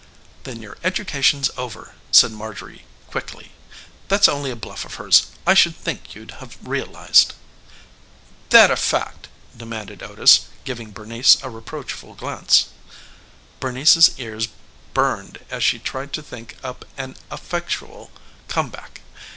"Then your education's over," said Marjorie quickly. "That's only a bluff of hers. I should think you'd have realized." "That a fact?" demanded Otis, giving Bernice a reproachful glance. Bernice's ears burned as she tried to think up an effectual come back.